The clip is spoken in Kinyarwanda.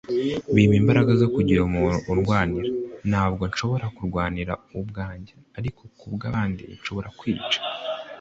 bimpa imbaraga zo kugira umuntu urwanira; ntabwo nshobora kurwanira ubwanjye, ariko, ku bandi, nshobora kwica